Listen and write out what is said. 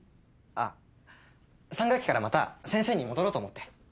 あっ３学期からまた先生に戻ろうと思って。